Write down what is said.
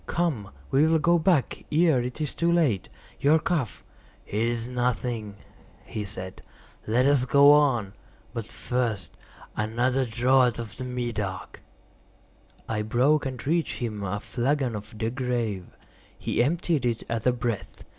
Come, we will go back ere it is too late. Your cough—" "It is nothing," he said; "let us go on. But first, another draught of the Medoc." I broke and reached him a flagon of De Grâve. He emptied it at a breath.